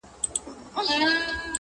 چي پر زړه مي د غمونو غوبل راسي٫